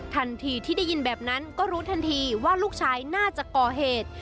ทันทีที่ได้ยินแบบนั้นก็รู้ทันทีว่าลูกชายน่าจะก่อเหตุ